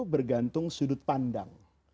bergantung sudut pandang